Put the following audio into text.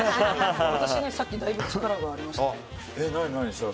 私ね、さっきだいぶ力がありましたけど。